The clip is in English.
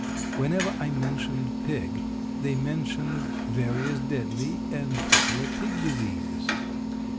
Whenever I mentioned pig they mentioned various deadly and popular pig diseases.